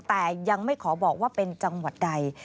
แต่ยังไม่ขอบอกว่าเป็นจังหวัดใด